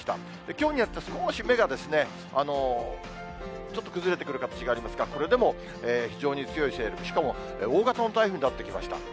きょうになって少し目が、ちょっと崩れてくる形がありますが、これでも非常に強い勢力、しかも大型の台風になってきました。